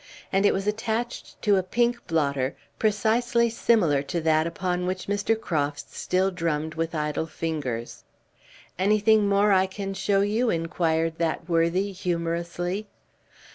And it was attached to a pink blotter precisely similar to that upon which Mr. Crofts still drummed with idle fingers. "Anything more I can show you?" inquired that worthy, humorously.